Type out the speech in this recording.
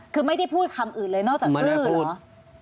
คือไม่ได้พูดคำอื่นเลยนอกจากดื้อเหรอ